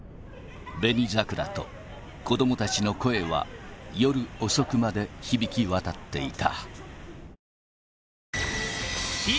紅桜と子どもたちの声は夜遅くまで響き渡っていた